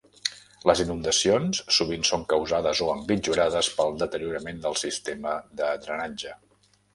Les inundacions sovint són causades o empitjorades pel deteriorament del sistema de drenatge.